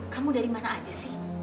kamu dari mana aja sih